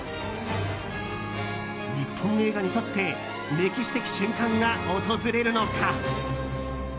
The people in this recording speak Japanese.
日本映画にとって歴史的瞬間が訪れるのか？